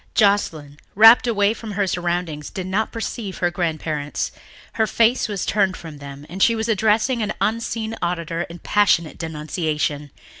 Joscelyn, rapt away from her surroundings, did not perceive her grandparents. Her face was turned from them and she was addressing an unseen auditor in passionate denunciation.